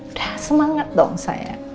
udah semangat dong saya